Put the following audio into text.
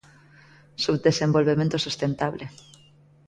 Subdesenvolvemento sustentable.